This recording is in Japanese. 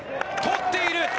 捕っている！